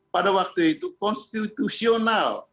pada waktu itu konstitusional